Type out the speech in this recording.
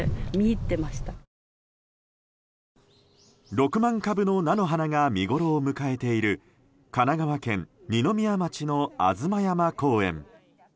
６万株の菜の花が見ごろを迎えている神奈川県二宮町の吾妻山公園。